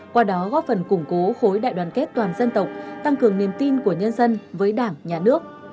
qua đó góp phần củng cố khối đại đoàn kết toàn dân tộc tăng cường niềm tin của nhân dân với đảng nhà nước